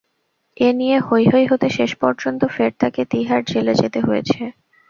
এ নিয়ে হইহই হতে শেষ পর্যন্ত ফের তাঁকে তিহার জেলে যেতে হয়েছে।